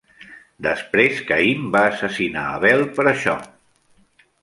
Després, Caín va assassinar Abel per això.